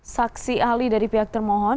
saksi ahli dari pihak termohon